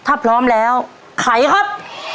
ถ้าพร้อมแล้วไขครับ